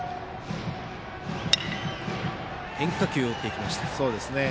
変化球を打っていきました。